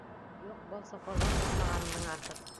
Юҡ, был соҡорҙан сыҡмағаның мең артыҡ.